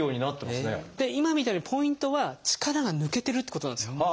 今みたいにポイントは力が抜けてるってことなんですよ。